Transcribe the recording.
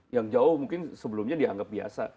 yang jauh mungkin sebelumnya dianggap biasa